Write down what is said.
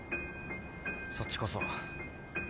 そっちこそ。